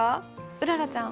うららちゃん。